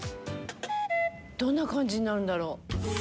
どんな感じになるんだろう？